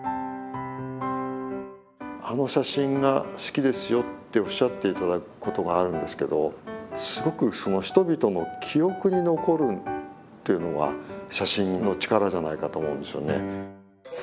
あの写真が好きですよっておっしゃっていただくことがあるんですけどすごくその人々の記憶に残るというのが写真の力じゃないかと思うんですよね。